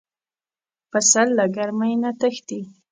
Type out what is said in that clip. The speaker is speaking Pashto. پسه له ګرمۍ نه تښتي.